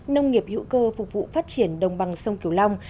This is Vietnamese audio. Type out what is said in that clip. nông nghiệp hữu cơ phục vụ phát triển đồng bằng sông kiều long